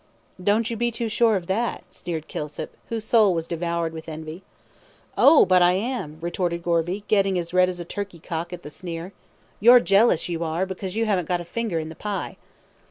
"Don't you be too sure of that," sneered Kilsip, whose soul was devoured with envy. "Oh! but I am," retorted Gorby, getting as red as a turkey cock at the sneer. "You're jealous, you are, because you haven't got a finger in the pie."